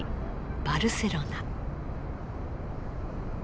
バルセロナ。